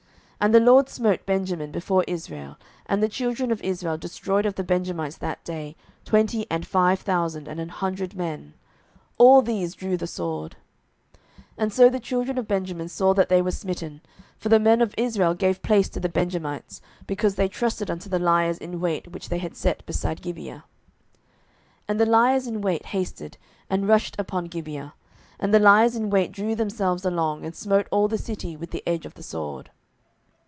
07:020:035 And the LORD smote Benjamin before Israel: and the children of Israel destroyed of the Benjamites that day twenty and five thousand and an hundred men: all these drew the sword. 07:020:036 So the children of Benjamin saw that they were smitten: for the men of Israel gave place to the Benjamites, because they trusted unto the liers in wait which they had set beside Gibeah. 07:020:037 And the liers in wait hasted, and rushed upon Gibeah; and the liers in wait drew themselves along, and smote all the city with the edge of the sword.